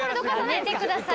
やめてください